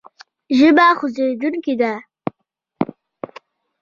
ژبه خوځېدونکې ده.